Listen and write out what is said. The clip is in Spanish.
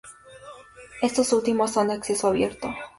Estos últimos, son de acceso abierto.